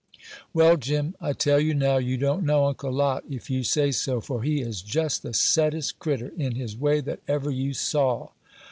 "Well, Jim, I tell you now, you don't know Uncle Lot if you say so; for he is just the settest critter in his way that ever you saw."